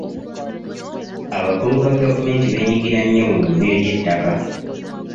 Abakungu ba gavumenti beenyigira nnyo mu mivuyo gy'ettaka.